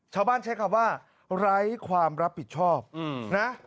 ชาวบ้านใช้คำว่าไร้ความรับผิดชอบอืมนะ